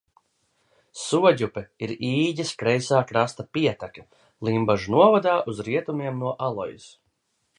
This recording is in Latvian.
Soģupe ir Īģes kreisā krasta pieteka Limbažu novadā uz rietumiem no Alojas.